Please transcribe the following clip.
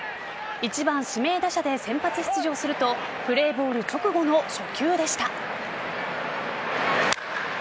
１番・指名打者で先発出場するとプレーボール直後の初球でした。